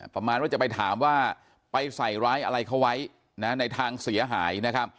ประมาณว่าจะไปถามว่าไปใส่ร้ายอะไรเขาไว้ในทางเสียหายนะครับ